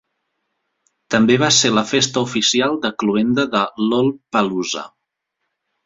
També va ser la festa oficial de cloenda de Lollpalooza.